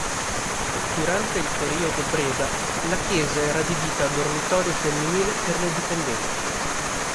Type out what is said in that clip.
Durante il periodo "Breda" la chiesa era adibita a dormitorio femminile per le dipendenti.